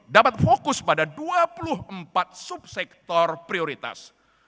dapat fokus pada dua puluh empat subsektor prioritas